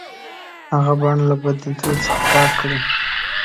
هغه بڼ له بد نیتو څخه پاک کړي.